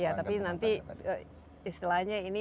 iya tapi nanti istilahnya ini masuk bagian apa